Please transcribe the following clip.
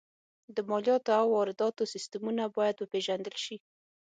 د مالیاتو او وارداتو سیستمونه باید وپېژندل شي